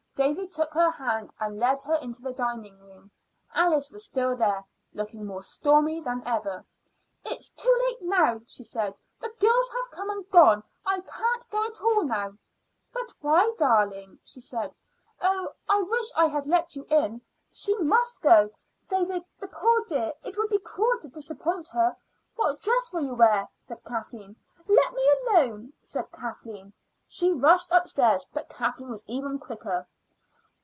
David took her hand and led her into the dining room. Alice was still there, looking more stormy than ever. "It's too late now," she said; "the girls have come and gone. I can't go at all now." "But why, darling?" said Kathleen. "Oh! I wish I had let you in. She must go, David, the poor dear. It would be cruel to disappoint her. What dress will you wear?" said Kathleen. "Let me alone," said Alice. She rushed upstairs, but Kathleen was even quicker.